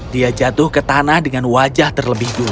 dia jatuh ke tanah dengan wajah terlebih dulu